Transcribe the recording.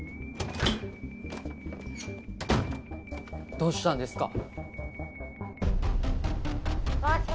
どうしたんですか？